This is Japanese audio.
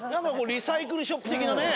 リサイクルショップ的なね。